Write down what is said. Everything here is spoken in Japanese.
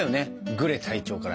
グレ隊長から。